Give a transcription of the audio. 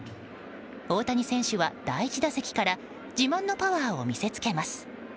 大谷選手は第１打席から自慢のパワーを見せつけます。